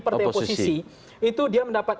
perdeposisi itu dia mendapat